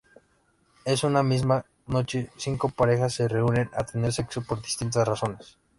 En una misma noche, cinco parejas se reúnen a tener sexo por distintas razones.